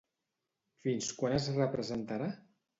Fins quan es representarà?